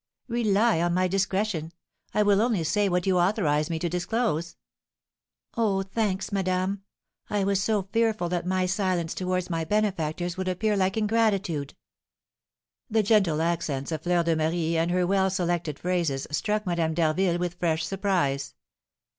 "Rely on my discretion. I will only say what you authorise me to disclose." "Oh, thanks, madame! I was so fearful that my silence towards my benefactors would appear like ingratitude!" The gentle accents of Fleur de Marie, and her well selected phrases, struck Madame d'Harville with fresh surprise.